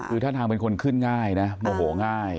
คือท่าทางเป็นคนขึ้นง่ายนะโมโหง่าย